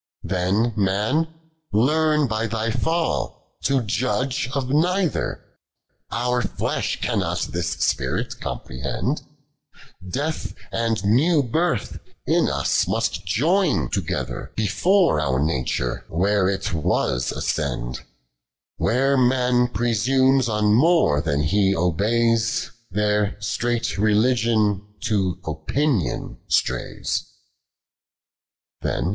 50. Then, Man, learn by thy fall, to judge of neither; Our flesh cannot this spirit comprehend ; Death and new birth in us must joyn together ; Before our nature where it was ascend : Where man presumes on more then ho obeys, There straight Keuoigk to opinion straysL ■^ Tin